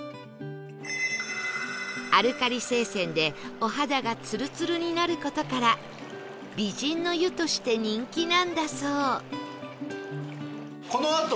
アルカリ性泉でお肌がツルツルになる事から美人の湯として人気なんだそう